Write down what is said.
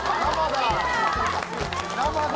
生だ。